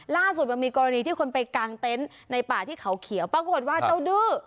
ล่าสุดมันมีกรณีที่คนไปกางเต็นต์ในป่าที่เขาเขียวปรากฏว่าเจ้าดื้อ